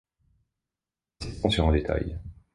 Insistons sur un détail.